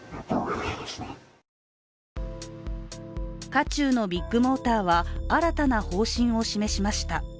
渦中のビッグモーターは、新たな方針を示しました。